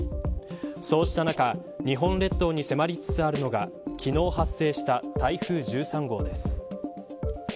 そうした中日本列島に迫りつつあるのが昨日発生した台風１３号です。